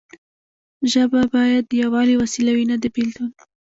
ژبه باید د یووالي وسیله وي نه د بیلتون.